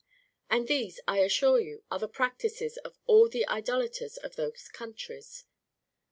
*' And these, I assure you, are the practices of all the Idolaters of those countries.